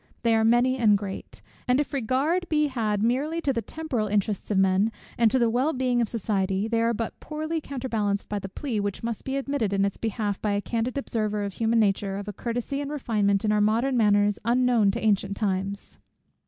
They are many and great; and if regard be had merely to the temporal interests of men, and to the well being of society, they are but poorly counterbalanced by the plea, which must be admitted in its behalf by a candid observer of human nature, of a courtesy and refinement in our modern manners unknown to ancient times.